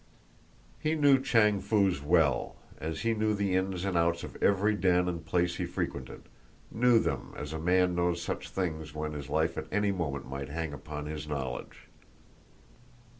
He knew Chang Foo's well as he knew the ins and outs of every den and place he frequented, knew them as a man knows such things when his life at any moment might hang upon his knowledge.